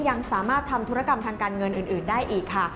ยังสามารถทำธุรกรรมทางการเงินอื่นได้อีกค่ะ